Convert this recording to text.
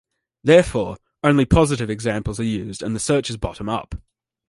Therefore, only positive examples are used and the search is bottom-up.